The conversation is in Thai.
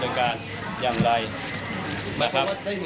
เพราะว่าได้ยินอย่างอะไร